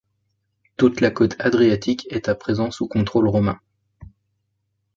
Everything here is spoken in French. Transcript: Toute la côte adriatique est à présent sous contrôle romain.